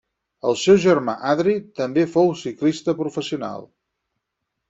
El seu germà Adri també fou ciclista professional.